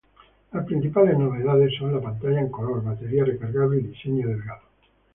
Las principales novedades son la pantalla en color, batería recargable y diseño delgado.